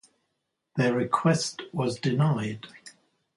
Their request was denied.